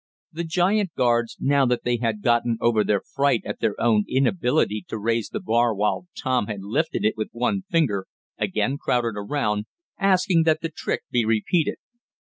The giant guards, now that they had gotten over their fright at their own inability to raise the bar while Tom had lifted it with one finger, again crowded around, asking that the trick be repeated.